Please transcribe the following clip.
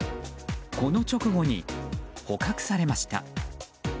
この直後に捕獲されました。